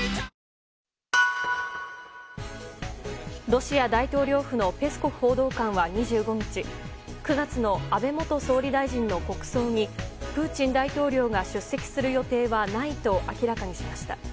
ロシア大統領府のペスコフ報道官は２５日９月の安倍元総理大臣の国葬にプーチン大統領が出席する予定はないと明らかにしました。